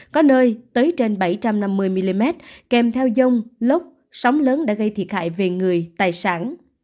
có nơi tới trên bảy trăm năm mươi mm kèm theo dông lốc sóng lớn đã gây thiệt hại về người tài sản